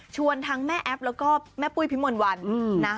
ชวนทั้งแม่แอฟแล้วก็แม่ปุ้ยพิมพ์มนต์วันนะ